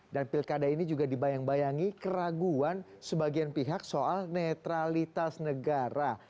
dan pilkada ini juga dibayang bayangi keraguan sebagian pihak soal netralitas negara